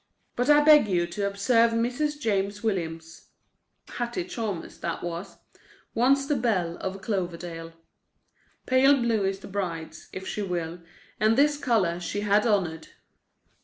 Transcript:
But I beg you to observe Mrs. James Williams—Hattie Chalmers that was—once the belle of Cloverdale. Pale blue is the bride's, if she will; and this colour she had honoured.